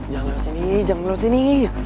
jangan sini jangan lewat sini